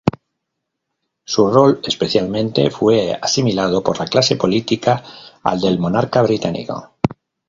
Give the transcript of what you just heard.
Su rol especialmente fue asimilado por la clase política al del Monarca Británico.